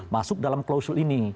masuk dalam klausul ini